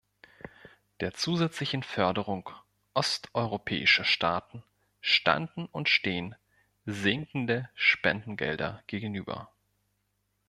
Der zusätzlichen Förderung osteuropäischer Staaten standen und stehen sinkende Spendengelder gegenüber.